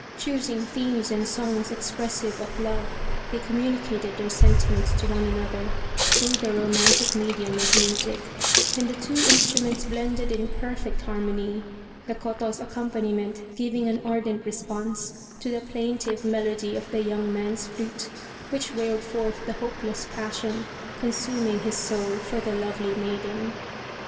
Choosing themes and songs expressive of love they communi cated their sentiments to one another through the romantic medium of music, and the two instruments blended in perfect harmony, the koto's accompani ment giving an ardent response to the plaintive melody of the young man's flute, which wailed forth the hopeless passion consuming his soul for the lovely maiden.